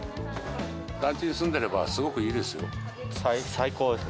団地に住んでれば、すごくい最高です。